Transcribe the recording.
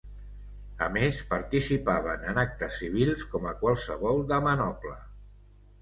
A més, participaven en actes civils com a qualsevol dama noble.